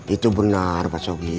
itu benar pak sogi